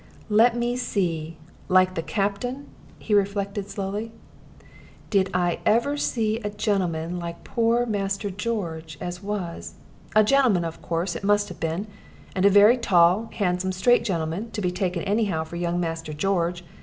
"Let me see like the Captain?" He reflected slowly: "Did I ever see a gentleman like poor Master George, as was? A gentleman, of course, it must have been and a very tall, handsome, straight gentleman, to be taken anyhow for young Master George.